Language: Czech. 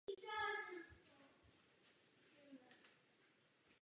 Poté bylo připojeno k Srbsku a později Jugoslávii.